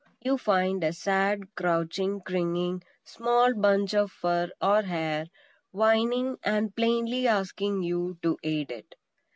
You find a sad, crouching, cringing, small bunch of fur or hair, whining, and plainly asking you to aid it.